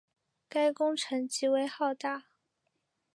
该工程极为浩大。